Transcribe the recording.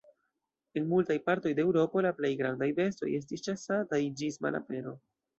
En multaj partoj de Eŭropo la plej grandaj bestoj estis ĉasataj ĝis malapero.